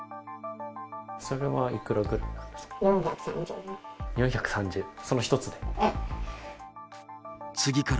それはいくらぐらいなんですか。